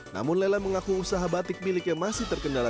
namun lela mengaku usaha batik miliknya masih terkendala